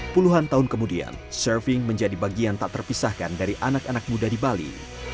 puluhan tahun kemudian surfing menjadi bagian tak terpisahkan dari anak anak muda di bali